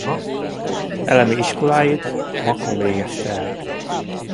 Elemi iskoláit Makón végezte el.